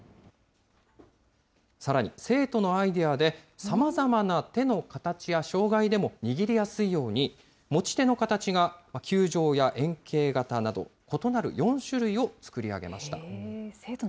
さらに生徒のアイデアでさまざまな手の形や障害でも握りやすいように、持ち手の形が球状や円形形など、異なる４種類を作り上げました。